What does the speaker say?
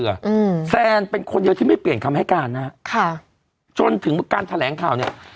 อืมแซนเป็นคนเดียวที่ไม่เปลี่ยนคำให้การนะฮะค่ะจนถึงการแถลงข่าวเนี้ย